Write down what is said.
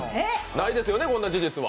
ないですよね、こんな事実は。